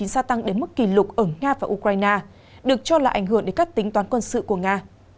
gia tăng đến mức kỷ lục ở nga và ukraine được cho là ảnh hưởng đến các tính toán quân sự của nga